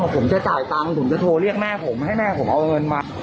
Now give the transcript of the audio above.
ผมจะจ่ายตังค์ผมจะโทรเรียกแม่ผมให้แม่ผมเอาเงินมา